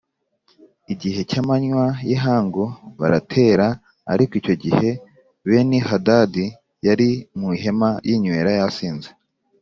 Igihe cy’amanywa y’ihangu baratera Ariko icyo gihe Benihadadi yari mu ihema yinywera yasinze